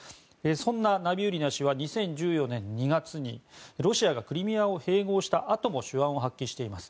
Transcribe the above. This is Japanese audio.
そんなナビウリナ氏は２０１４年２月にロシアがクリミアを併合したあとも手腕を発揮しています。